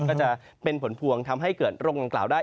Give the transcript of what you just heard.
ก็จะเป็นผลพวงทำให้เกิดโรคดังกล่าวได้